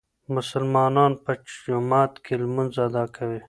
مسلمانان په جومات کې لمونځ ادا کوي.